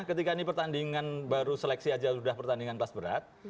ketika ini pertandingan baru seleksi aja sudah pertandingan kelas berat